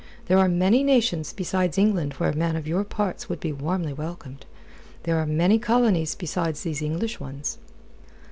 There are many nations besides England where a man of your parts would be warmly welcomed. There are many colonies besides these English ones."